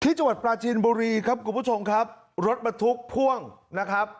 จังหวัดปลาจีนบุรีครับคุณผู้ชมครับรถบรรทุกพ่วงนะครับ